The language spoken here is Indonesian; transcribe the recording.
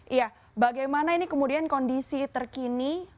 iya bagaimana ini kemudian kondisi terkini